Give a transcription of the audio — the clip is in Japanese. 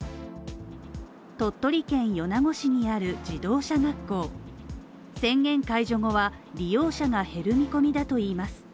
鳥取県米子市にある自動車学校宣言解除後は、利用者が減る見込みだといいます。